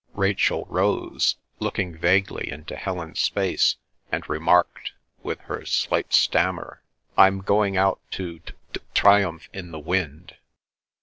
Rachel rose, looked vaguely into Helen's face, and remarked with her slight stammer, "I'm going out to t t triumph in the wind."